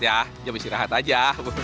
ya jam istirahat aja